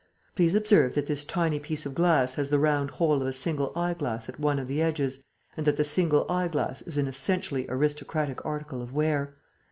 Please observe that this tiny piece of glass has the round hole of a single eyeglass at one of the edges and that the single eyeglass is an essentially aristocratic article of wear.